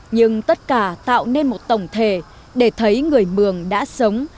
nhưng tất cả tạo nên một tổng thể để thấy người mường đã sống